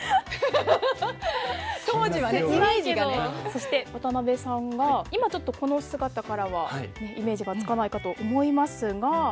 そして渡辺さんが今ちょっとこの姿からはイメージがつかないかと思いますが。